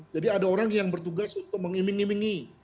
jadi ada orang yang bertugas untuk mengiming imingi